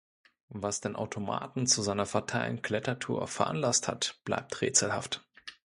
Was den Automaten zu seiner fatalen Klettertour veranlasst hat, bleibt rätselhaft.